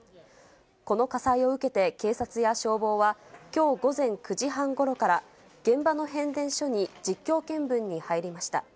この火災を受けて、警察や消防は、きょう午前９時半ごろから、現場の変電所に実況見分に入りました。